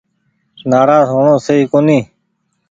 نآراز هو ڻو سئي ڪونيٚ ۔